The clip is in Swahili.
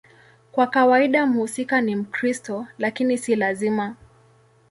Kwa kawaida mhusika ni Mkristo, lakini si lazima.